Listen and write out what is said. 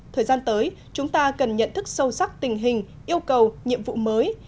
thời gian tới chúng ta cần nhận thức sâu sắc tình hình yêu cầu nhiệm vụ mới